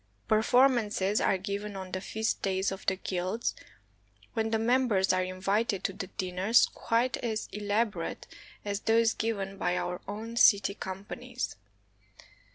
Performances are given on the feast days of the guilds, when the mem bers are invited to dinners quite as elaborate as those given by our own city companies.